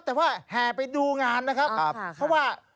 แต่ว่าแห่ไปดูงานนะครับเพราะว่า